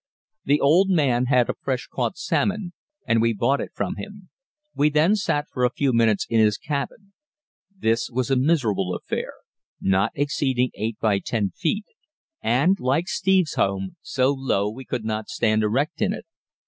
The old man had a fresh caught salmon, and we bought it from him. We then sat for a few minutes in his cabin. This was a miserable affair, not exceeding eight by ten feet, and, like Steve's home, so low we could not stand erect in it.